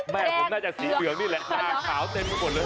แม่ผมน่าจะแสดล์นี่แหละน่าขาวเต็มทุกคนเลย